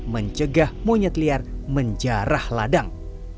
mencegah monyet liar menjarah ladang